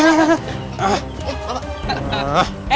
sampai jumpa di video selanjutnya